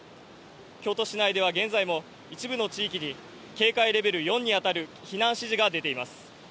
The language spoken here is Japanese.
京都市内では現在も一部の地域に警戒レベル４に当たる避難指示が出ています。